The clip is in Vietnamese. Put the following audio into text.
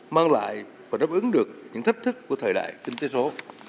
mang lại và đáp ứng được những thách thức của thời đại số